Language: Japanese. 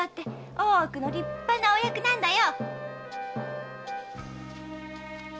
大奥の立派なお役なんだよ